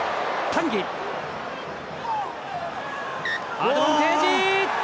アドバンテージ！